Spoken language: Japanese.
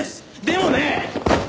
でもね！